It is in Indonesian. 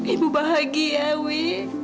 ibu bahagia dewi